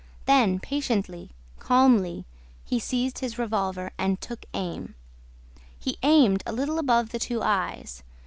Then, patiently, calmly, he seized his revolver and took aim. He aimed a little above the two eyes.